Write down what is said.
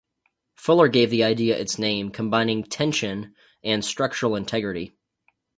Fuller gave the idea its name, combining 'tension' and 'structural integrity.